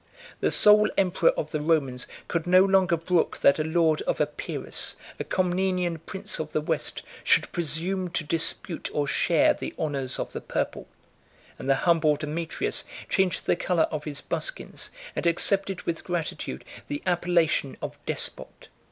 The sole emperor of the Romans could no longer brook that a lord of Epirus, a Comnenian prince of the West, should presume to dispute or share the honors of the purple; and the humble Demetrius changed the color of his buskins, and accepted with gratitude the appellation of despot.